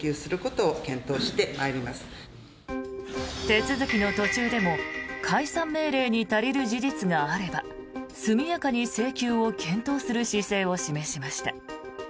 手続きの途中でも解散命令に足りる事実があれば速やかに請求を検討する姿勢を示しました。